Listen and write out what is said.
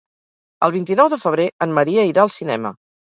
El vint-i-nou de febrer en Maria irà al cinema.